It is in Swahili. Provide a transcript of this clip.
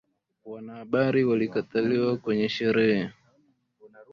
Wanahabari walikataliwa kwenye sherehe